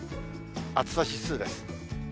暑さ指数です。